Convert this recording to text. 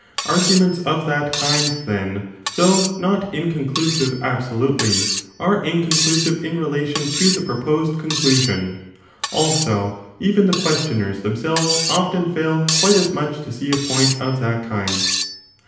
Argu ments of that kind, then, though not inconclusive absolutely, 35 are inconclusive in relation to the proposed conclusion. Also even the questioners themselves often fail quite as much to see a point of that kind.